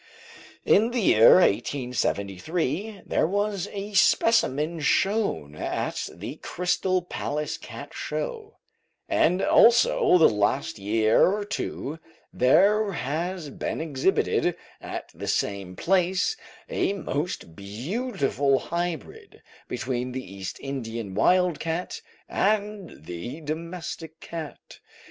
In the year 1873, there was a specimen shown at the Crystal Palace Cat Show, and also the last year or two there has been exhibited at the same place a most beautiful hybrid between the East Indian wild cat and the domestic cat.